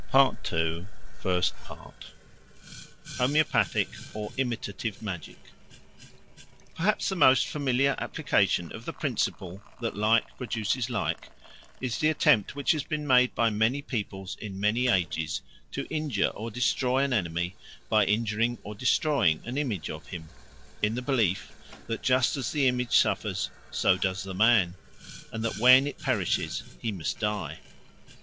2. Homoeopathic or Imitative Magic PERHAPS the most familiar application of the principle that like produces like is the attempt which has been made by many peoples in many ages to injure or destroy an enemy by injuring or destroying an image of him, in the belief that, just as the image suffers, so does the man, and that when it perishes he must die.